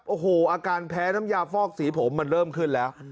โอ้โหอาการแพ้น้ำยาฟอกสีผมมันเริ่มขึ้นแล้ว